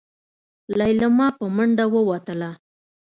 ليلما په منډه ووتله.